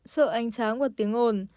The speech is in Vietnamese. sợ ánh sáng hoặc tiếng ôn